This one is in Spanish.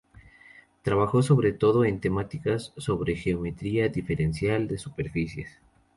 Trabajó sobre todo en temáticas sobre geometría diferencial de superficies.